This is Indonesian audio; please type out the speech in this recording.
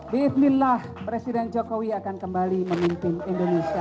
bismillah presiden jokowi akan kembali memimpin indonesia